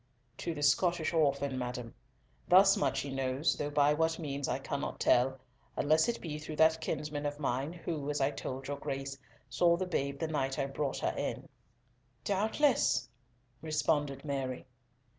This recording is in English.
"To the Scottish orphan, madam. Thus much he knows, though by what means I cannot tell, unless it be through that kinsman of mine, who, as I told your Grace, saw the babe the night I brought her in." "Doubtless," responded Mary.